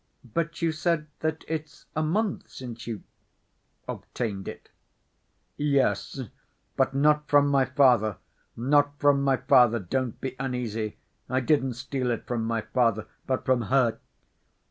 But you said that it's a month since you ... obtained it?..." "Yes. But not from my father. Not from my father, don't be uneasy. I didn't steal it from my father, but from her.